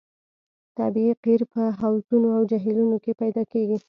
طبیعي قیر په حوضونو او جهیلونو کې پیدا کیږي